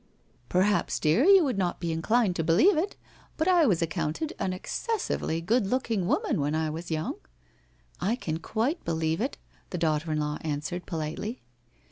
* Perhaps, dear, you would not be inclined to believe it, but I was accounted an excessively good looking woman when I was young/ ' I can quite believe it,' the daughter in law answered, politely.